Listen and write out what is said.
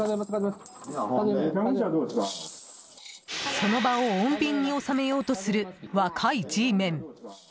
その場を穏便に収めようとする若いＧメン。